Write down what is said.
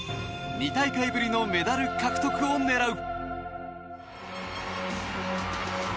２大会ぶりのメダル獲得を狙う！